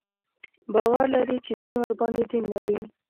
باور لري چې دین ورباندې دین لري.